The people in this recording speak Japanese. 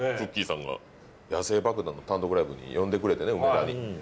さんが野性爆弾の単独ライブに呼んでくれてね行ってえっ？